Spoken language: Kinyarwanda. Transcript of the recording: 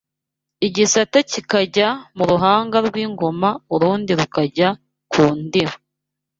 igisate kikajya mu ruhanga rw’ingoma urundi rukajya ku ndiba